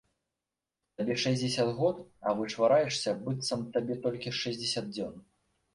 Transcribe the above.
Табе шэсцьдзесят год, а вычвараешся, быццам табе толькі шэсцьдзесят дзён.